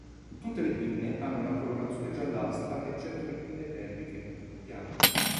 Tutte le pinne hanno una colorazione giallastra eccetto le pinne pelviche, bianche.